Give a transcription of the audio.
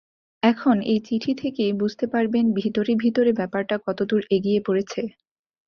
এখন এই চিঠি থেকেই বুঝতে পারবেন ভিতরে ভিতরে ব্যাপারটা কতদূর এগিয়ে পড়েছে।